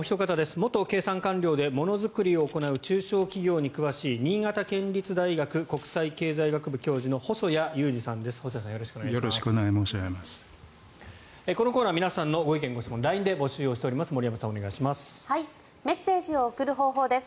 元経産官僚で、ものづくりを行う中小企業に詳しい新潟県立大学国際経済学部教授の細谷祐二さんです。